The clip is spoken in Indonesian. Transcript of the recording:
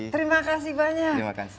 terima kasih banyak